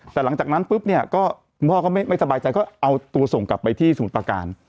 แต่หลังจากนั้นปุ๊บเนี่ยก็คุณพ่อก็ไม่สบายใจก็เอาตัวส่งกลับไปที่สมุทรประการ